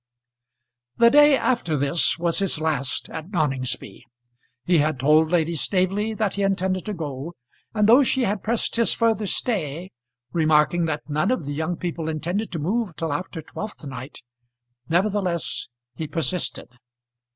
The day after this was his last at Noningsby. He had told Lady Staveley that he intended to go, and though she had pressed his further stay, remarking that none of the young people intended to move till after twelfth night, nevertheless he persisted.